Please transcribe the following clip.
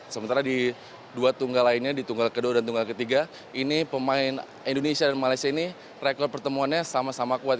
sementara di dua tunggal lainnya di tunggal kedua dan tunggal ketiga ini pemain indonesia dan malaysia ini rekor pertemuannya sama sama kuat